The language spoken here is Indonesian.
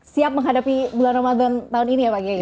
siap menghadapi bulan ramadan tahun ini ya pak kiai